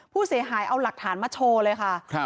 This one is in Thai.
ผู้เสียหายเอาหลักฐานมาโชว์เลยค่ะ